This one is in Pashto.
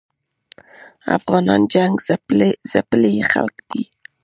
افغانان جنګ ځپلي خلګ دي